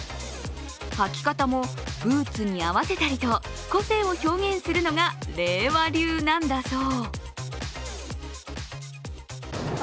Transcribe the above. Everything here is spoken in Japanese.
はき方もブーツに合わせたりと個性を表現するのが令和流なんだそう。